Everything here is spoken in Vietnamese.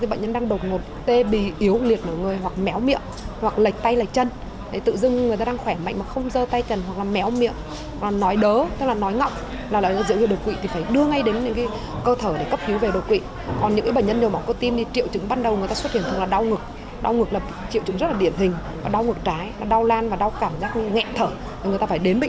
thì bệnh nhân đang đột ngột tê bì yếu liệt một người hoặc méo miệng hoặc lệch tay lệch chân